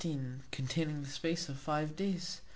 CONTAINING THE SPACE OF FIVE DAYS.